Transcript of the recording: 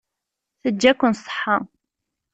Teǧǧa-ken ṣṣeḥḥa.